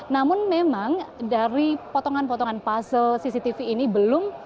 namun memang dari potongan potongan puzzle cctv ini belum